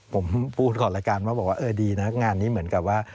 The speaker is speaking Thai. ผมพูดขอรักษ์และการว่าดีนะงานนี้เหมือนกับว่า